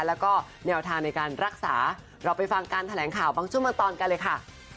แล้วก็แนวทางในการรักษาเราไปฟังการแถลงข่าวบางช่วงบางตอนกันเลยค่ะ